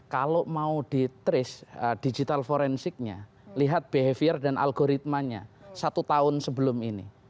kalau mau di trace digital forensiknya lihat behavior dan algoritmanya satu tahun sebelum ini